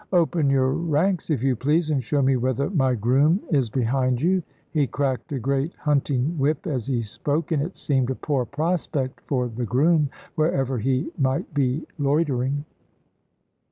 Open your ranks, if you please, and show me whether my groom is behind you." He cracked a great hunting whip as he spoke, and it seemed a poor prospect for the groom, wherever he might be loitering.